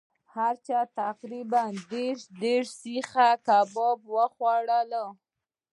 هر چا تقریبأ دېرش دېرش سیخه کباب وخوړلو.